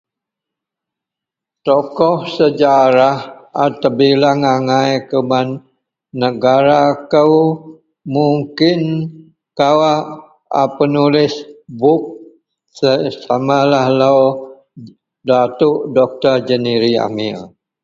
. Tokoh sejarah a tebileng angai kuman negara kou, mungkin kawak a penulih buk samalah Dato’ Dr. Jeniri Amir.